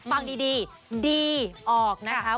ฟังดีดีออกนะคะ